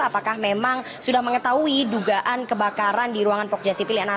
apakah memang sudah mengetahui dugaan kebakaran di ruangan pogja sipil